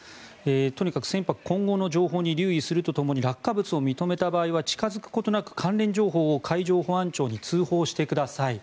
とにかく船舶、今後の情報に留意するとともに落下物を認めた場合は近付くことなく関連情報を海上保安庁に通報してください。